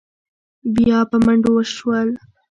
بيا په منډو شول.